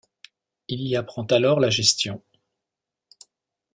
Il y apprend alors la gestion.